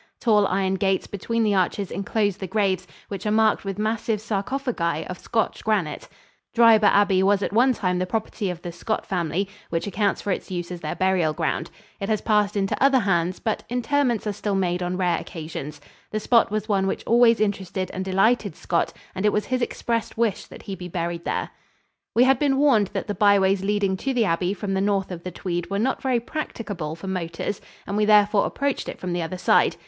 Tall iron gates between the arches enclose the graves, which are marked with massive sarcophagi of Scotch granite. Dryburgh Abbey was at one time the property of the Scott family, which accounts for its use as their burial ground. It has passed into other hands, but interments are still made on rare occasions. The spot was one which always interested and delighted Scott and it was his expressed wish that he be buried there. We had been warned that the byways leading to the abbey from the north of the Tweed were not very practicable for motors and we therefore approached it from the other side.